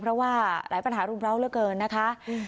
เพราะว่าหลายปัญหารุมร้าวเหลือเกินนะคะ